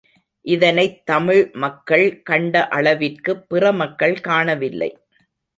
இதனைத் தமிழ் மக்கள் கண்ட அளவிற்குப் பிற மக்கள் காணவில்லை.